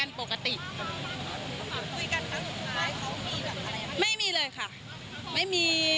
วันที่สุดท้ายก็จะมาเกิดเหตุการณ์แบบนี้